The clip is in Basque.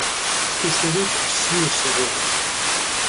Uste dut ziur zegoela.